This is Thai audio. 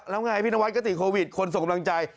แล้วไงพี่นวัดก็ติดโควิดคนส่งกำลังใจ